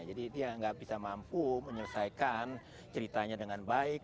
jadi dia nggak bisa mampu menyelesaikan ceritanya dengan baik